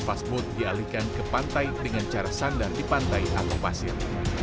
pasmut dialihkan ke pantai dengan cara sandar di pantai atau pasir